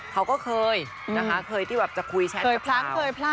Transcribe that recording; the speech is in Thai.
ผมก็ไม่เคยที่จะ